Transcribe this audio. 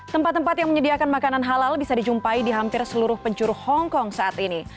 tempat tempat yang menyediakan makanan halal bisa dijumpai di hampir seluruh penjuru hongkong saat ini